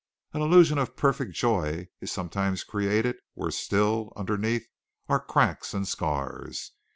An illusion of perfect joy is sometimes created where still, underneath, are cracks and scars.